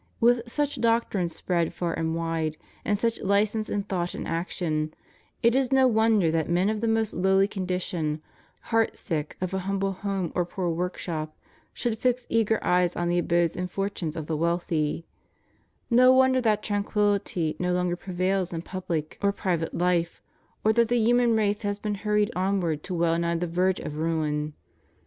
With such doctrines spread far and wide, and such license in thought and action, it is no wonder that men of the most lowly condition, heart sick of a humble home or poor workshop, should fix eager eyes on the abodes and fortunes of the wealthy; no wonder that tranquillity no longer prevails in public or SOCIALISM, COMMUNISM, NIHILISM. 25 private life, or that the human race has been hurried onward to well nigh the verge of ruin.